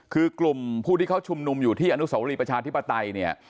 คือกลุ่มผู้ที่เขาชุมนุมอยู่ที่อนุสวรีประชาธิปไตยเนี่ย